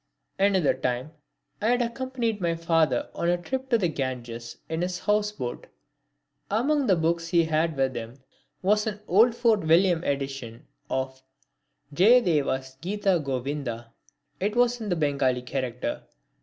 Another time I had accompanied my father on a trip on the Ganges in his houseboat. Among the books he had with him was an old Fort William edition of Jayadeva's Gita Govinda. It was in the Bengali character.